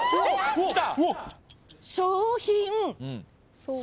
きた！？